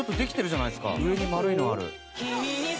上に丸いのある。